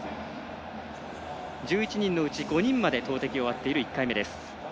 １１人のうち５人まで投てきが終わっている１回目です。